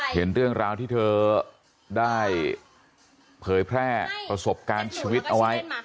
เห็นเรื่องราวที่เธอได้เผยแพร่ประสบการณ์ชีวิตเอาไว้